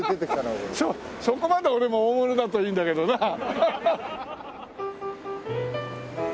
そこまで俺も大物だといいんだけどな。